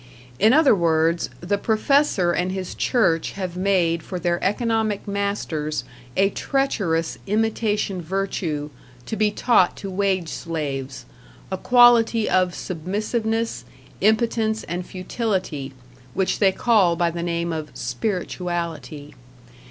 In other words, the professor and his church have made for their economic masters a treacherous imitation virtue to be taught to wage slaves, a quality of submissiveness, impotence and futility, which they call by the name of "spirituality".